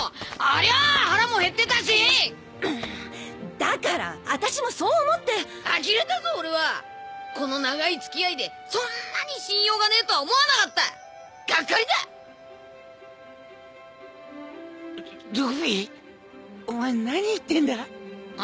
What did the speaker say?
ありゃあ腹も減ってたしィだから私もそう思ってあきれたぞ俺はこの長い付き合いでそんなに信用がねえとは思わなかったガッカリだルフィお前何言ってんだ？